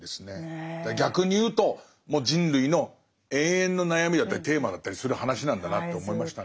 逆に言うともう人類の永遠の悩みだったりテーマだったりする話なんだなと思いましたね。